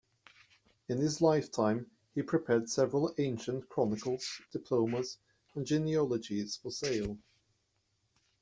In his lifetime he prepared several "ancient" chronicles, diplomas and genealogies for sale.